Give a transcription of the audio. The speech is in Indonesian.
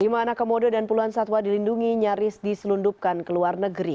lima anak komodo dan puluhan satwa dilindungi nyaris diselundupkan ke luar negeri